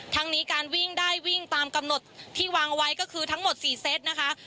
ทั้งนี้การวิ่งได้วิ่งตามกำหนดที่วางไว้ก็คือทั้งหมด๔เซตนะคะ